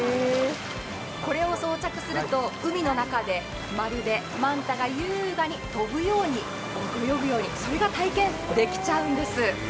これを装着すると海の中でまるでマンタが優雅に飛ぶように泳ぐ、それが体験できちゃうんです。